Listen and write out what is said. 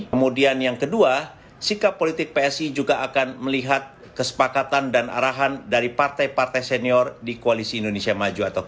kemudian yang kedua sikap politik psi juga akan melihat kesepakatan dan arahan dari partai partai senior di koalisi indonesia maju